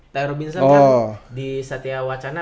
t robinson kan di satya wacana